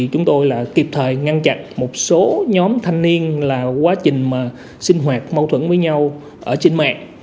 chúng tôi là kịp thời ngăn chặn một số nhóm thanh niên là quá trình sinh hoạt mâu thuẫn với nhau ở trên mạng